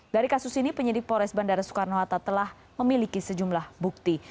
dari kasus ini penyidik polres bandara soekarno hatta telah memiliki sejumlah bukti